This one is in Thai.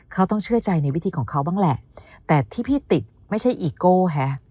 เขาต้องเชื่อใจในวิธีของเขาบ้างแหละแต่ที่พี่ติดไม่ใช่อีโก้ฮะ